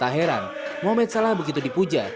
tak heran mohmet salah begitu dipuja